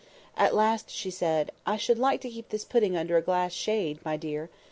At last she said, "I should like to keep this pudding under a glass shade, my dear!"